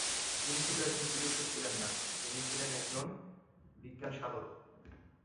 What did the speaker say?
তিনি শুধু একজন চিকিৎসক ছিলেন না, তিনি ছিলেন একজন বিজ্ঞানসাধক।